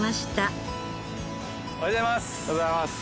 おはようございます。